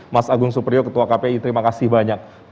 mas agung supriyo ketua kpi terima kasih banyak